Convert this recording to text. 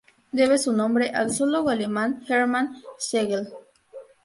Debe su nombre al zoólogo alemán Hermann Schlegel.